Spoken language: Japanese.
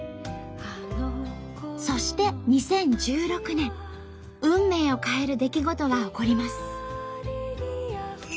そして２０１６年運命を変える出来事が起こります。